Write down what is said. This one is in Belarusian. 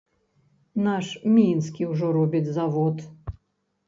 Наш мінскі ўжо робіць завод.